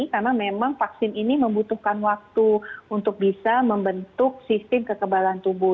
karena memang vaksin ini membutuhkan waktu untuk bisa membentuk sistem kekebalan tubuh